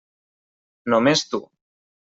Només tu.